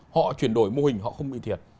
họ chuyển đổi mô hình họ không bị thiệt